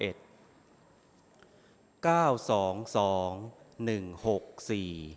ออกรางวัลที่๖